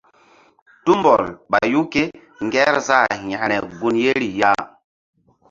Tumbɔl ɓayu kéngerzah yȩkre gun yeri ya.